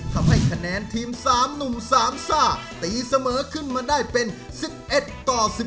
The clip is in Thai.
ทำให้คะแนนทีม๓หนุ่ม๓ซ่าตีเสมอขึ้นมาได้เป็น๑๑ต่อ๑๑